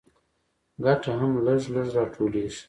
ګټه هم لږ لږ راټولېږي